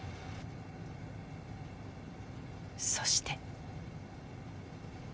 そして。